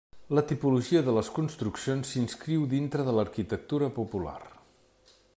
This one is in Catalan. La tipologia de les construccions s'inscriu dintre de l'arquitectura popular.